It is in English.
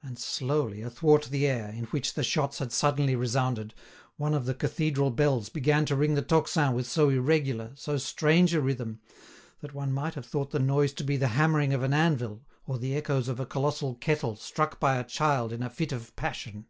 And slowly, athwart the air, in which the shots had suddenly resounded, one of the cathedral bells began to ring the tocsin with so irregular, so strange a rhythm, that one might have thought the noise to be the hammering of an anvil or the echoes of a colossal kettle struck by a child in a fit of passion.